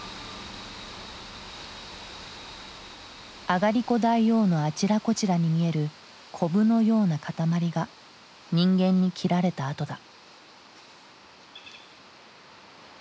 あがりこ大王のあちらこちらに見えるコブのような塊が人間に切られた跡だ。